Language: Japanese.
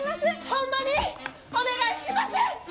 ホンマにお願いします！